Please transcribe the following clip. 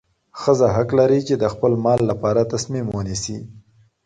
ښځه حق لري چې د خپل مال لپاره تصمیم ونیسي.